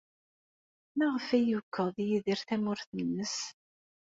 Maɣef ay yukeḍ Yidir tamurt-nnes?